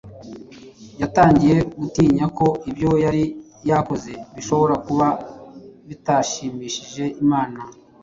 yatangiye gutinya ko ibyo yari yakoze bishobora kuba bitashimishije Imana